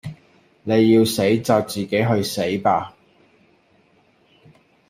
你要死就自己去死吧